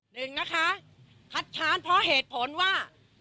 หนึ่งนะคะคัดค้านเพราะเหตุผลว่า